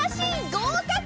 ごうかく！